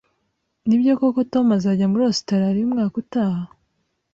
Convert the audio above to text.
Nibyo koko Tom azajya muri Ositaraliya umwaka utaha?